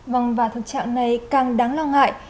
vâng và thân chào này càng đáng lo ngại